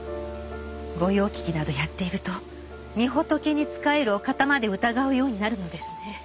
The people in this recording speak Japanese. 御用聞きなどやっていると御仏に仕えるお方まで疑うようになるのですね。